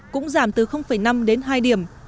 cũng giảm từ năm đến hai điểm